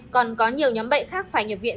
còn có nhiều nhóm bệnh khác phải nhập viện